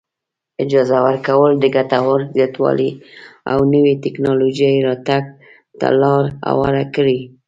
اجاره ورکول د ګټورتوب زیاتوالي او نوې ټیکنالوجۍ راتګ ته لار هواره کړي.